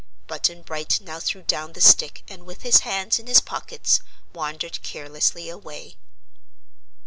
Button Bright now threw down the stick and with his hands in his pockets wandered carelessly away.